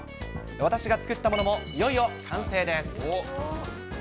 私が作ったものも、いよいよ完成です。